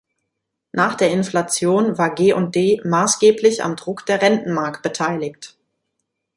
Nach der Inflation war G&D maßgeblich am Druck der Rentenmark beteiligt.